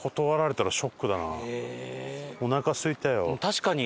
確かに。